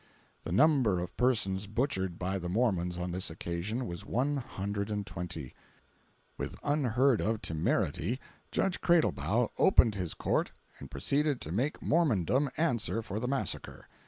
The number of persons butchered by the Mormons on this occasion was one hundred and twenty. With unheard of temerity Judge Cradlebaugh opened his court and proceeded to make Mormondom answer for the massacre.